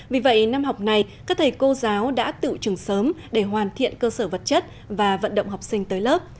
vì vậy năm học này các thầy cô giáo đã tự trừng sớm để hoàn thiện cơ sở vật chất và vận động học sinh tới lớp